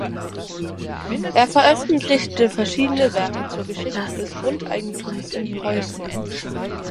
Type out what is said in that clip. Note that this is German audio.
Er veröffentlichte verschiedene Werke zur Geschichte des Grundeigentums in Preußen.